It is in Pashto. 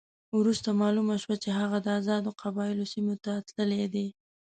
وروسته معلومه شوه چې هغه د آزادو قبایلو سیمې ته تللی دی.